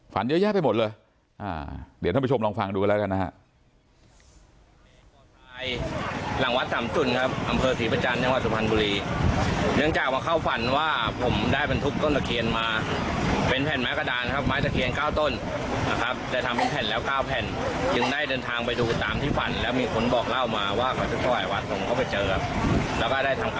เยอะแยะไปหมดเลยเดี๋ยวท่านผู้ชมลองฟังดูกันแล้วกันนะฮะ